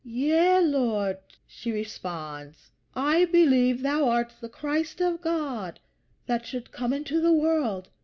"Yea, Lord," she responds, "I believe thou art the Christ of God that should come into the world."